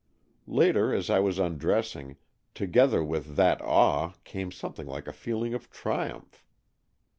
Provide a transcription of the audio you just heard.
Later, as I was undressing, together with that awe came something like a feeling of triumph.